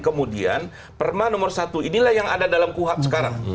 kemudian perma nomor satu inilah yang ada dalam kuhab sekarang